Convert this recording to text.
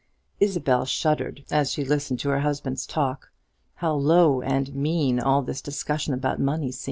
Isabel shuddered as she listened to her husband's talk. How low and mean all this discussion about money seemed!